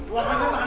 ruangan kemana sih